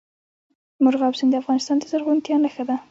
مورغاب سیند د افغانستان د زرغونتیا نښه ده.